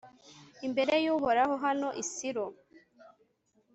imbere y'uhoraho, hano i silo